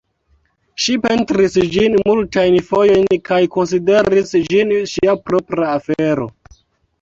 Ŝi pentris ĝin multajn fojojn kaj konsideris ĝin ŝia propra afero.